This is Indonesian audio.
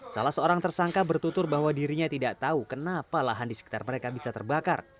salah seorang tersangka bertutur bahwa dirinya tidak tahu kenapa lahan di sekitar mereka bisa terbakar